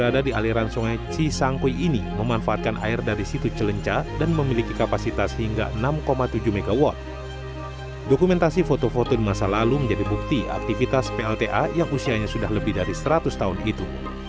dokumentasi foto foto di masa lalu menjadi bukti aktivitas plta yang usianya sudah lebih dari seratus tahun itu